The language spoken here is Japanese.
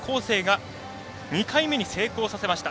生が２回目の成功させました。